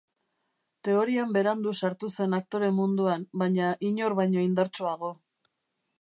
Teorian berandu sartu zen aktore munduan, baina inor baino indartsuago.